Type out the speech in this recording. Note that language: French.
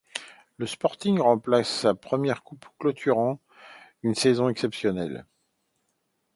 Le Sporting, remporte sa première coupe clôturant une saison exceptionnelle.